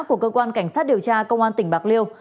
của cơ quan cảnh sát điều tra công an tỉnh bạc liêu